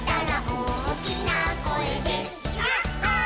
「おおきなこえでヤッホー」